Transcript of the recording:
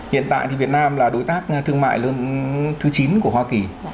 hiện tại thì việt nam là đối tác thương mại thứ chín của hoa kỳ